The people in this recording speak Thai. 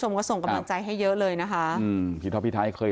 กลับมาร้องเพลงให้เป็นเพลงได้ฟังแน่นอนค่ะ